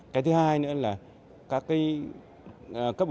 cái thứ hai nữa là các ủy đảng